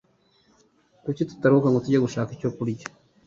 Kuki tutaruhuka ngo tujye gushaka icyo kurya?